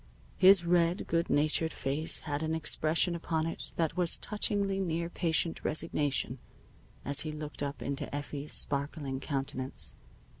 His red, good natured face had an expression upon it that was touchingly near patient resignation as he looked up into Effie's sparkling countenance.